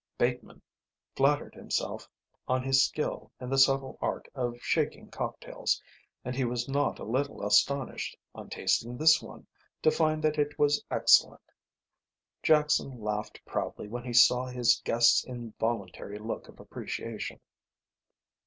Bateman flattered himself on his skill in the subtle art of shaking cocktails and he was not a little astonished, on tasting this one, to find that it was excellent. Jackson laughed proudly when he saw his guest's involuntary look of appreciation.